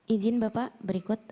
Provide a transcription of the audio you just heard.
izin bapak berikut